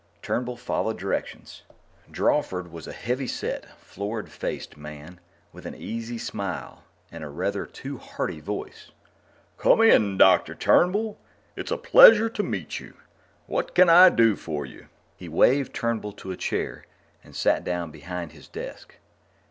Turnbull followed directions. Drawford was a heavy set, florid faced man with an easy smile and a rather too hearty voice. "Come in, Dr. Turnbull; it's a pleasure to meet you. What can I do for you?" He waved Turnbull to a chair and sat down behind his desk.